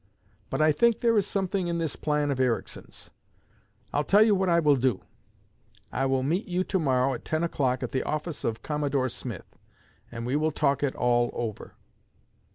But I think there is something in this plan of Ericsson's. I'll tell you what I will do. I will meet you to morrow at ten o'clock, at the office of Commodore Smith, and we will talk it all over.'